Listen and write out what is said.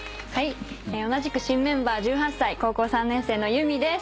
同じく新メンバー１８歳高校３年生の結海です。